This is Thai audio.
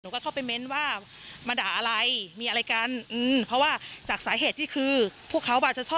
ก็เข้าไปเม้นว่ามาด่าอะไรมีอะไรกันอืมเพราะว่าจากสาเหตุที่คือพวกเขาอาจจะชอบ